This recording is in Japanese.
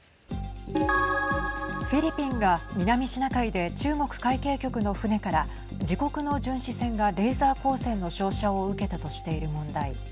フィリピンが南シナ海で中国海警局の船から自国の巡視船がレーザー光線の照射を受けたとしている問題。